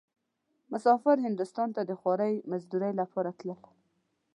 مسافرين هندوستان ته د خوارۍ مزدورۍ لپاره تلل.